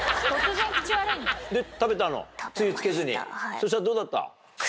そしたらどうだった？